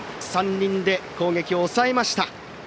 ３人で攻撃を抑えました。